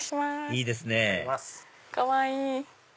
いいですねかわいい。